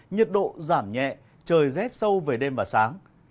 nhiệt độ giảm nhẹ trời rét sâu về đêm và sáng